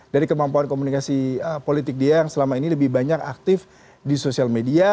dari kemampuan komunikasi politik dia yang selama ini lebih banyak aktif di sosial media